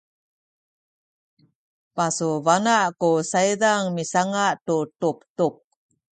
pasubana’ ku saydan misanga’ tu tubtub